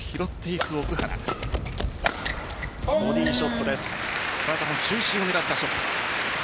体の中心を狙ったショット。